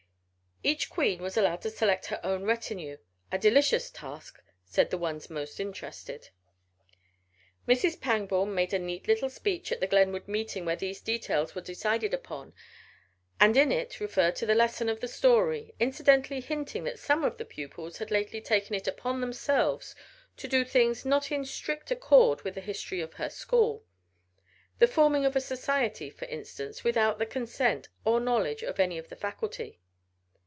Each queen was allowed to select her own retinue a delicious task, said the ones most interested. Mrs. Pangborn made a neat little speech at the Glenwood meeting where these details were decided upon, and in it referred to the lesson of the story, incidentally hinting that some of the pupils had lately taken it upon themselves to do things not in strict accord with the history of her school the forming of a society, for instance, without the consent or knowledge of any of the faculty.